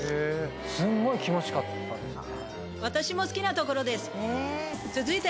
すっごい気持ちかったですね。